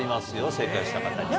正解した方には。